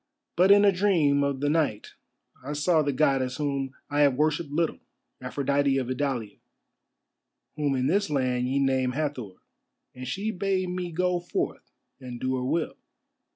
But in a dream of the night I saw the Goddess whom I have worshipped little, Aphrodite of Idalia, whom in this land ye name Hathor, and she bade me go forth and do her will.